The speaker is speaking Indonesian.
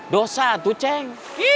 dosa tuh ceng